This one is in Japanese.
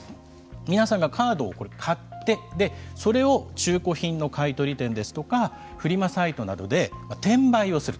皆さんがカードを買ってそれを中古品の買取店ですとかフリマサイトなどで転売をすると。